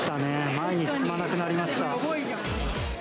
前に進まなくなりました。